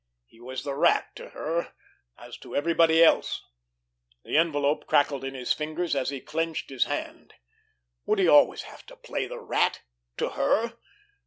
He was the Rat to her, as to everybody else. The envelope crackled in his fingers, as he clenched his hand. Would he always have to play the Rat—to her!